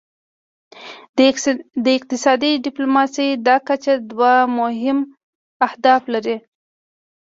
د اقتصادي ډیپلوماسي دا کچه دوه مهم اهداف لري